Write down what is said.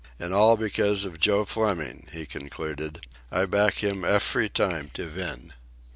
"An' all because of Joe Fleming," he concluded. "I back him efery time to vin."